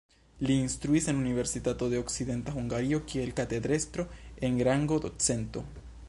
Li instruis en Universitato de Okcidenta Hungario kiel katedrestro en rango docento.